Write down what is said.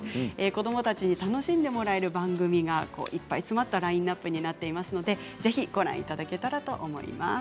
子どもたちに楽しんでもらえる番組がいっぱい詰まった番組になっていますのでぜひご覧いただけたらと思います。